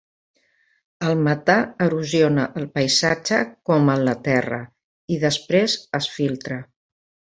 El metà erosiona el paisatge com en la Terra i després es filtra.